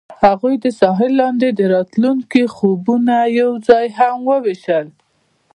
هغوی د ساحل لاندې د راتلونکي خوبونه یوځای هم وویشل.